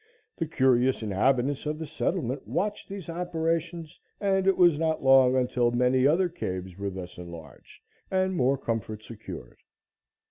The curious inhabitants of the settlement watched these operations, and it was not long until many other caves were thus enlarged and more comfort secured.